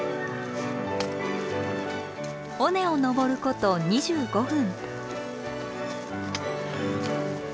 尾根を登ること２５分。